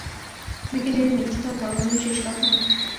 বিজ্ঞানীরা নিশ্চিত হন পরমাণুই শেষ কথা নয়।